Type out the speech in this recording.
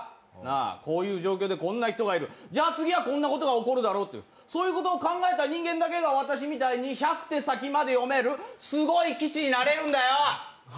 こういう状況でこんな人がいる、じゃあ次はこんなことが起こるだろうって、そういうことを考えた人間だけが私みたいに百手先まで読めるすごい棋士になれるんだよ。